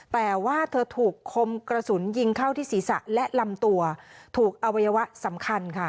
แต่ว่าเธอถูกคมกระสุนยิงเข้าที่ศีรษะและลำตัวถูกอวัยวะสำคัญค่ะ